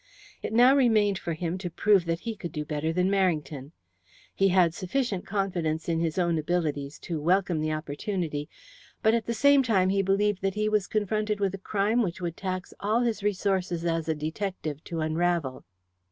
It now remained for him to prove that he could do better than Merrington. He had sufficient confidence in his own abilities to welcome the opportunity, but at the same time he believed that he was confronted with a crime which would tax all his resources as a detective to unravel.